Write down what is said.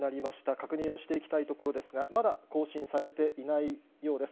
確認をしていきたいところですが、まだ更新されていないようです。